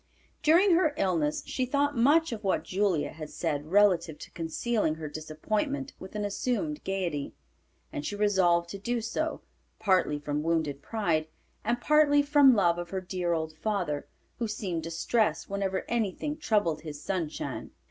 During her illness she thought much of what Julia had said relative to concealing her disappointment with an assumed gayety, and she resolved to do so, partly from wounded pride, and partly from love of her dear old father, who seemed distressed whenever anything troubled his "Sunshine."